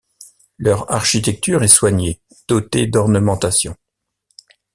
Leur architecture est soignée, dotée d'ornementations.